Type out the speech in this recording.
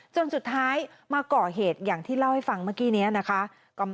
จนสุดท้ายมาก่อเหตุอย่างที่เล่าให้ฟังเมื่อกี้นี้นะคะ